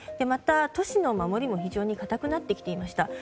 また、都市の守りも非常に堅くなってきていました。